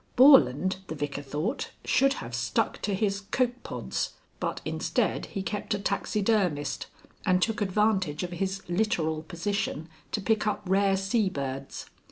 Borland, the Vicar thought, should have stuck to his copepods, but instead he kept a taxidermist, and took advantage of his littoral position to pick up rare sea birds.